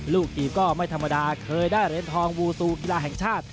จีบก็ไม่ธรรมดาเคยได้เหรียญทองวูซูกีฬาแห่งชาติ